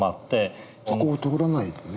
そこを通らないとね。